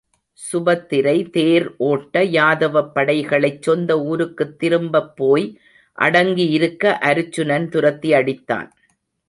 சுபத்திரை தேர் ஒட்ட யாதவப்படைகளைச் சொந்த ஊருக்குத் திரும்பப் போய் அடங்கி இருக்க அருச்சுனன் துரத்தி அடித்தான்.